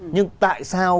nhưng tại sao